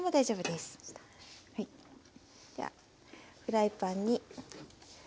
ではフライパンに。